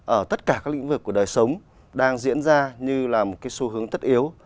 ở tất cả các lĩnh vực của đời sống đang diễn ra như là một xu hướng tất yếu